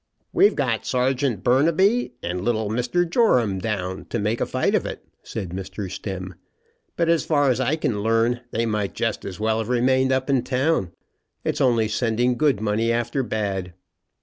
"We've got Serjeant Burnaby, and little Mr. Joram down, to make a fight of it," said Mr. Stemm; "but, as far as I can learn, they might just as well have remained up in town. It's only sending good money after bad."